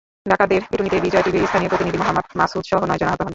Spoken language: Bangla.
ডাকাতদের পিটুনিতে বিজয় টিভির স্থানীয় প্রতিনিধি মোহাম্মদ মাসুদসহ নয়জন আহত হন।